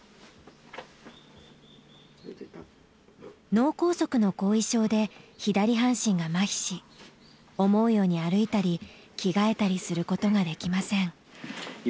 脳梗塞の後遺症で左半身がまひし思うように歩いたり着替えたりすることができません。